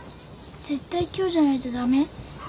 絶対今日じゃないとダメ？